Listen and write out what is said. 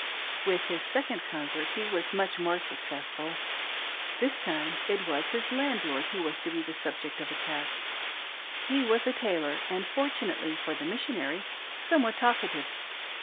With his second convert he was much more successful; This time it was his landlord who was to be the subject of attack. , He was a tailor, and, fortunately for the Missionary, somewhat talkative.